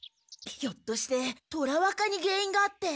ひょっとして虎若に原因があって。